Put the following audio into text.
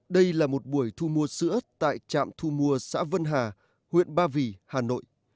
đây là một buổi thu mua sữa tại trạm thu mua xã vân hà huyện ba vì hà nội